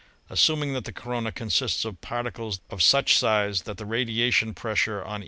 Assuming that the corona consists of particles of such size that the radiation pres sure on.